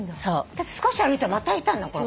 だって少し歩いたらまたいたんだもん。